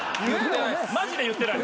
マジで言ってない。